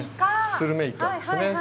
スルメイカですね。